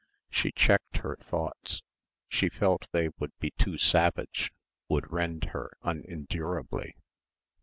She checked her thoughts. She felt they would be too savage; would rend her unendurably.